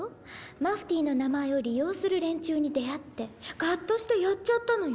マフティーの名前を利用する連中に出会ってカッとしてやっちゃったのよ。